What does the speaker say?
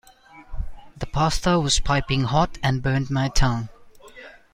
The pasta was piping hot and burnt my tongue.